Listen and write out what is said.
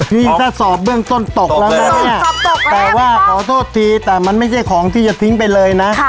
พี่ถ้าสอบเบื้องต้นตกแล้วนะแต่ว่าขอโทษทีแต่มันไม่ใช่ของที่จะทิ้งไปเลยนะ